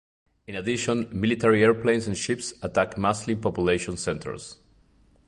In addition, military airplanes and ships attacked Muslim population centers.